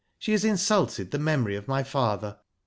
She has insulted the memory of my father.